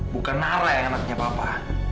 bukan nara yang anaknya bapak